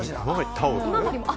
タオル？